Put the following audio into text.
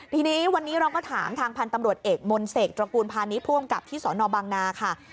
ทีนี้วันนี้เราก็ถามทางพันธุ์ตำรวจเอกมนเสกตระกูลพาณิชผู้กำกับที่สนบางนาค่ะ